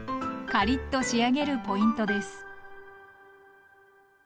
カリッと仕上げるポイントです。